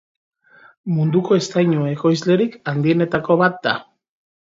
Munduko eztainu ekoizlerik handienetako bat da.